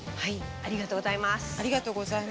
ありがとうございます。